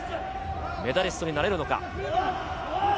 メダリストになれるのか。